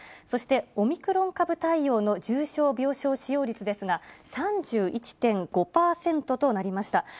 そして、オミクロン株対応の重症病床使用率ですが、３１．５％となりました。